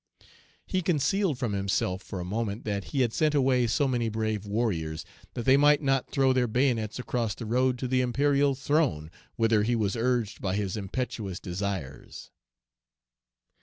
He concealed from himself for a moment that he had sent away so many brave warriors Page 256 that they might not throw their bayonets across the road to the imperial throne, whither he was urged by his impetuous desires.